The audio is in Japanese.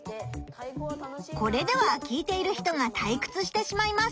これでは聞いている人がたいくつしてしまいます。